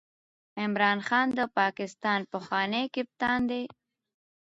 عمران خان د پاکستان پخوانی کپتان دئ.